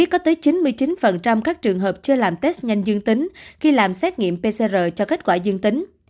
có tới chín mươi chín các trường hợp chưa làm test nhanh dương tính khi làm xét nghiệm pcr cho kết quả dương tính